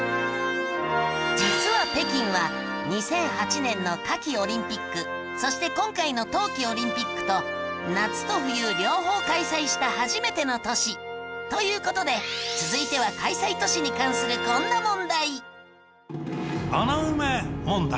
実は北京は２００８年の夏季オリンピックそして今回の冬季オリンピックと夏と冬両方開催した初めての都市。という事で続いては開催都市に関するこんな問題。